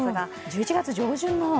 １１月上旬の。